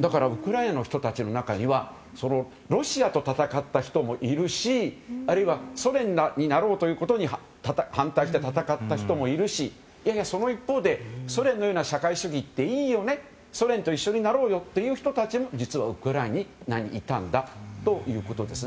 だからウクライナの人たちの中にはロシアと戦った人もいるしあるいは、ソ連になろうということに反対して戦った人もいるしその一方で、いやいやソ連のような社会主義っていいよねとソ連と一緒になろうよといった人たちもウクライナにはいたんだということです。